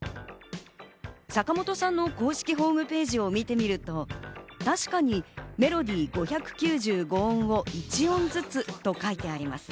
坂本さんの公式ホームページを見てみると、確かにメロディー５９５音を１音ずつと書いてあります。